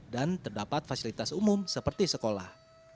dan terdapat fasilitas umum seperti sekolah